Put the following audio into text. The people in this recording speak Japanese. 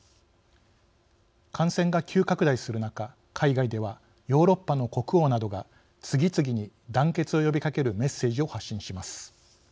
感染が急拡大する中海外ではヨーロッパの国王などが次々に団結を呼びかけるメッセージを発信します。